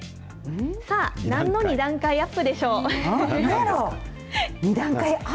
さあ、なんの２段階アップでしょう？